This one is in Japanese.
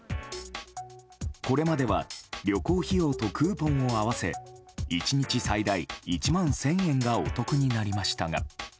これまでは旅行費用とクーポンを合わせ１日最大１万１０００円がお得になりましたが。